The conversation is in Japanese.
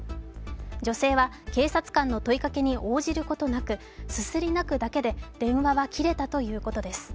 女性は警察官の問いかけに応じることなくすすり泣くだけで電話は切れたということです。